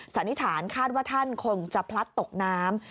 สันนิษฐานคาดว่าท่านคงจะพลัดตกน้ำ